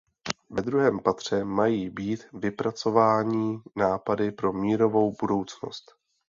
Ve druhém patře mají být vypracování nápady pro mírovou budoucnost.